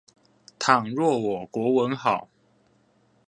倘若我國文好